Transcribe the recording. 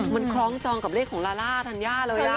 มันคล้องจองกับเลขของลาล่าธัญญาเลย